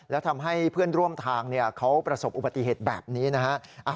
แล้วทำให้เพื่อนร่วมทางเขาประสบอุบัติเหตุแบบนี้นะฮะ